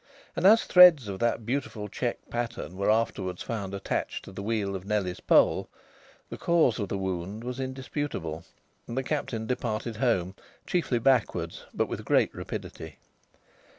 And as threads of that beautiful check pattern were afterwards found attached to the wheel of Nellie's pole, the cause of the wound was indisputable. The Captain departed home, chiefly backwards, but with great rapidity.